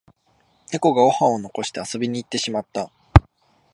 ネコがご飯を残して遊びに行ってしまった